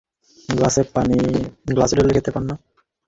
গ্লাসে ঢেলে খতে পার না?